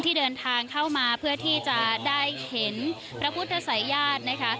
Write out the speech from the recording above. ที่เดินทางเข้ามาเพื่อที่จะได้เห็นพระพุทธศัยญาตินะคะ